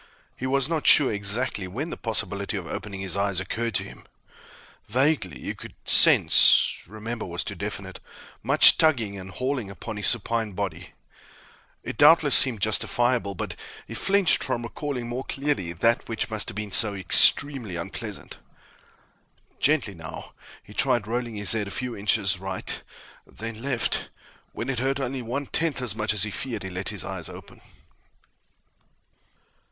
He was not sure exactly when the possibility of opening his eyes occurred to him. Vaguely, he could sense "remember" was too definite much tugging and hauling upon his supine body. It doubtless seemed justifiable, but he flinched from recalling more clearly that which must have been so extremely unpleasant. Gently, now, he tried rolling his head a few inches right, then left. When it hurt only one tenth as much as he feared, he let his eyes open.